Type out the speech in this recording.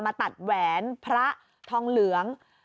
มาตัดแหวนพระทองเหลือง